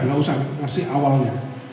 gak usah kasih awalnya